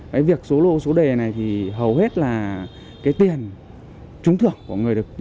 cái việc số lô số đề này thì hầu hết là cái tiền trúng thưởng của người được